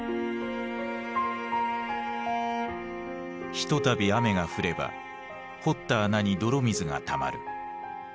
ひとたび雨が降れば掘った穴に泥水がたまる。